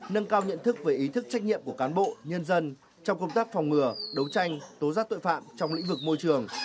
nâng cao nhận thức về ý thức trách nhiệm của cán bộ nhân dân trong công tác phòng ngừa đấu tranh tố giác tội phạm trong lĩnh vực môi trường